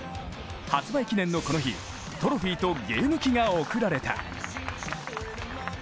発売記念のこの日、トロフィーとゲーム機が贈られた。